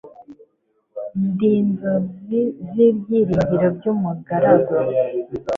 ndi inzozi n'ibyiringiro by'umugaragu